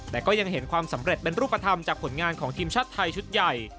แต่ก็ยังเห็นความสำเร็จเป็นรูปธรรมจากผลงานของทีมชาติไทยชุดใหญ่